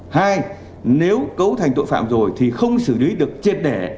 hai nếu cấu thành tội phạm rồi thì không xử lý được chết đẻ